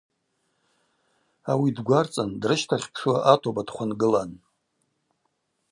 Ауи дгварцӏын дрыщтахьпшуа атоба дыхвынгылан.